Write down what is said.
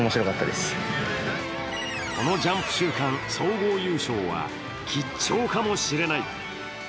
このジャンプ週間総合優勝は吉兆かもしれない。